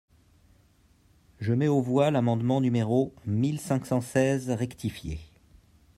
Je mets aux voix l’amendement numéro mille cinq cent seize rectifié.